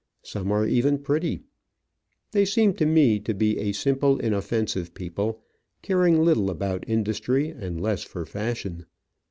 Some are even pretty. They seem tq me to be a simple, inoffensive people, caring little about industry and less for fashion.